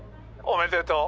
おめでとう。